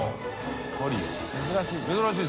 珍しい。